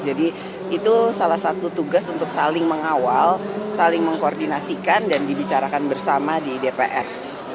jadi itu salah satu tugas untuk saling mengawal saling mengkoordinasikan dan dibicarakan bersama di dpr